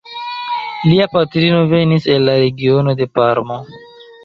Lia patrino venis el la regiono de Parmo.